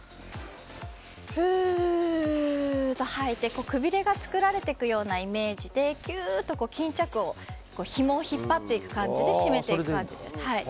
ふーっと吐いてくびれが作られていくようなイメージでキューっと巾着をひもを引っ張っていく感じで締めていく感じです。